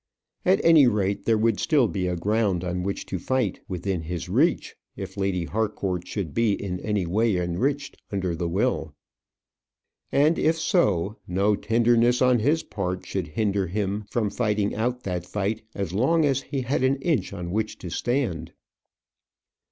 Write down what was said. At any rate, there would still be a ground, on which to fight, within his reach, if Lady Harcourt should be in any way enriched under the will. And if so, no tenderness on his part should hinder him from fighting out that fight as long as he had an inch on which to stand.